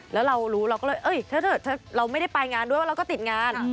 แล้วเรารู้เราก็เลยเราไม่ได้ไปงานด้วยว่าเราก็ติดงาน